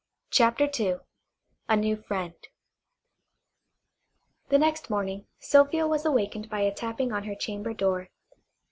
CHAPTER II A NEW FRIEND The next morning Sylvia was awakened by a tapping on her chamber door.